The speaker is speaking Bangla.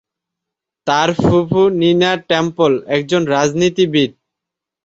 তার ফুফু নিনা টেম্পল একজন রাজনীতিবিদ।